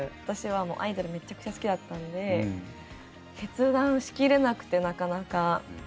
私はもうアイドルめっちゃくちゃ好きだったんで決断しきれなくてなかなか。